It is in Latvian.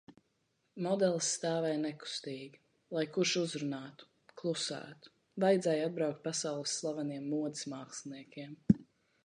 Modeles stāvēja nekustīgi. Lai kurš uzrunātu – klusētu. Vajadzēja atbraukt pasaules slaveniem modes māksliniekiem.